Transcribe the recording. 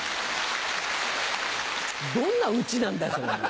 どんな家なんだそれ。